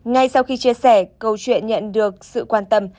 ngay sau khi chia sẻ câu chuyện nhận được sự quan tâm